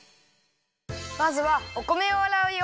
まずはお米をあらうよ。